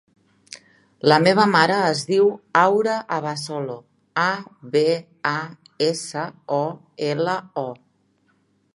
La meva mare es diu Aura Abasolo: a, be, a, essa, o, ela, o.